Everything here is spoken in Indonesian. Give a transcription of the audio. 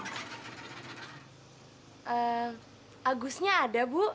ehm agusnya ada bu